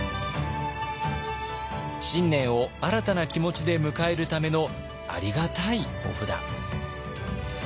新年を新たな気持ちで迎えるためのありがたいお札。